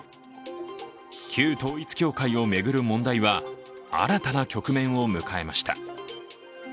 旧統一教会を巡る問題は新たな局面を迎えました。